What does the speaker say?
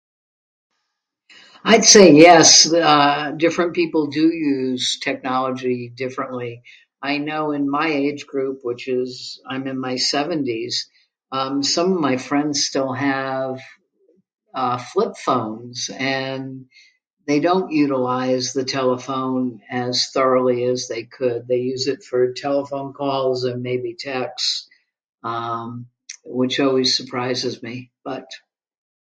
I'd say, yes, uh, different people do use technology differently. I know in my age group, which is, I'm in my seventies, um, some of my friends still have, uh, flip phones and they don't utilize the telephone as thoroughly as they could. They use it for telephone calls and maybe texts, um, which always surprises me, but